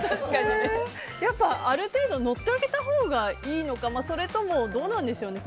ある程度乗ってあげたほうがいいのかそれとも、どうなんでしょうね。